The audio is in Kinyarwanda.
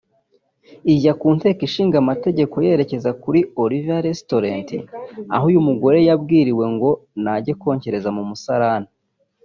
ijya ku nteko ishinga amategeko yerekeza kuri Olive resitaurent aho uyu mugore yabwiriwe ngo nage konkereza mu musarane